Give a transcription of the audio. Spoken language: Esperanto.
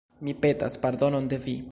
Mi petas pardonon de vi.